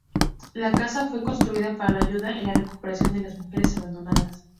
La casa fue construida "para la ayuda y la recuperación de las mujeres abandonadas".